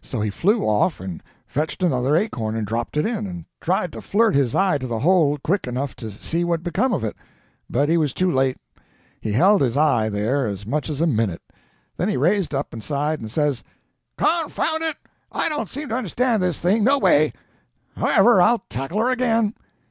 "So he flew off and fetched another acorn and dropped it in, and tried to flirt his eye to the hole quick enough to see what become of it, but he was too late. He held his eye there as much as a minute; then he raised up and sighed, and says, 'Confound it, I don't seem to understand this thing, no way; however, I'll tackle her again.'